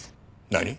何？